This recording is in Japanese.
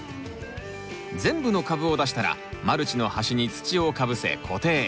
全部の株を出したらマルチの端に土をかぶせ固定。